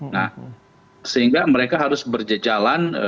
nah sehingga mereka harus berjalan